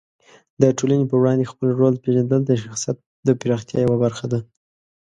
د ټولنې په وړاندې خپل رول پېژندل د شخصیت د پراختیا یوه برخه ده.